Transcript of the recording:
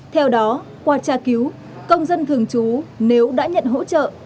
theo đó qua tra cứu công dân thường trú nếu đã nhận hỗ trợ